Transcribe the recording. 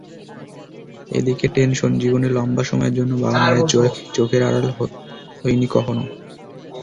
এদিকে টেনশন, জীবনে লম্বা সময়ের জন্য বাবা-মায়ের চোখের আড়াল কখনো হইনি।